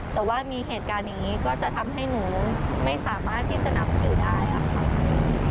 แต่ว่ามีเหตุการณ์อย่างนี้ก็จะทำให้หนูไม่สามารถที่จะนับสื่อได้ค่ะ